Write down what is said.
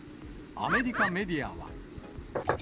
アメリカメディアは。